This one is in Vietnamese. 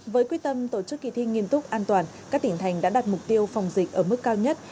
với quyết tâm tổ chức kỳ thi nghiêm túc an toàn các tỉnh thành đã đặt mục tiêu phòng dịch ở mức cao nhất